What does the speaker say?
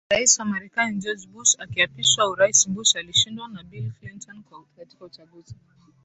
Rais wa Marekani George Bush akiapishwa uraisBush alishindwa na Bill Clinton katika uchaguzi